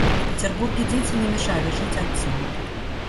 В Петербурге дети не мешали жить отцам.